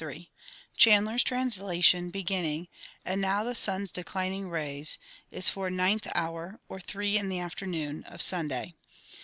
3._)_ Chandler's translation, beginning, "And now the sun's declining rays," is for "Ninth Hour, or three in the afternoon," of Sunday.